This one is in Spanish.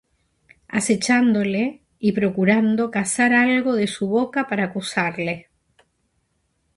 Acechándole, y procurando cazar algo de su boca para acusarle.